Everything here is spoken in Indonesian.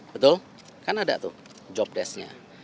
betul kan ada tuh jobdesknya